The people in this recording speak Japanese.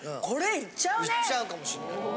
いっちゃうかもしんない。